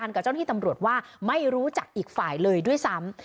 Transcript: กับเจ้าหน้าที่ตำรวจว่าไม่รู้จักอีกฝ่ายเลยด้วยซ้ำ